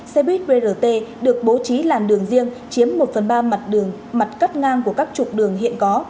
xe buýt brt được bố trí làn đường riêng chiếm một phần ba mặt đường mặt cắt ngang của các trục đường hiện có